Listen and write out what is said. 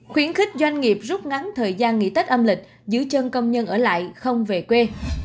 khuyến khích doanh nghiệp rút ngắn thời gian nghỉ tết âm lịch giữ chân công nhân ở lại không về quê